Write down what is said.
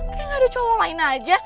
kayaknya ga ada cowok lain aja